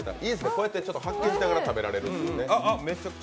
こうやって発見しながら食べられるんですね。